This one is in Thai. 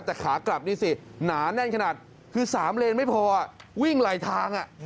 แต่ขากลับนี่สิหนาแน่นขนาดคือ๓เลนไม่พอวิ่งไหลทาง